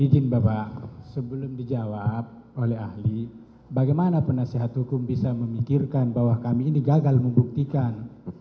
izin bapak sebelum dijawab oleh ahli bagaimana penasehat hukum bisa memikirkan bahwa kami ini gagal membuktikan